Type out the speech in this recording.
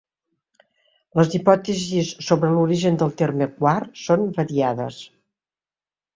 Les hipòtesis sobre l'origen del terme quart són variades.